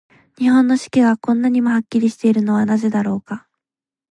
日本の四季が、こんなにもはっきりしているのはなぜだろうか。